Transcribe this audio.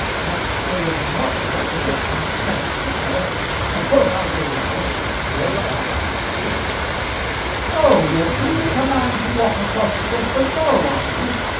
"That I am not exactly a messenger, sir. Of course I'll go now, as the other clerk is not in." "Oh, you're too great a man to walk across to Bedford Row, are you?